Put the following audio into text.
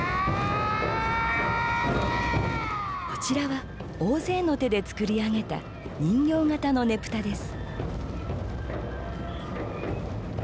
こちらは大勢の手で作り上げた人形型のねぷたです。